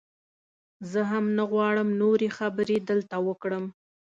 زه هم نه غواړم نورې خبرې دلته وکړم.